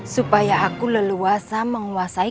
supaya aku leluasa menguasai